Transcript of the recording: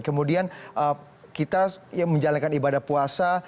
kemudian kita menjalankan ibadah puasa